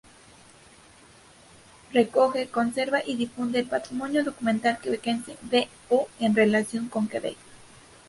Recoge, conserva y difunde el patrimonio documental quebequense de o en relación con Quebec.